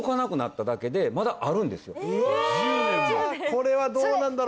これはどうなんだろ？